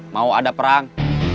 mau ada perang